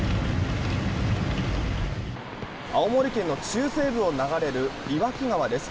青森県の中西部を流れる岩木川です。